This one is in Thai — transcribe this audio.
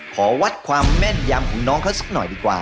ขอวัดความแม่นยำของน้องเขาสักหน่อยดีกว่า